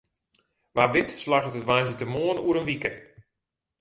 Wa wit slagget it woansdeitemoarn oer in wike.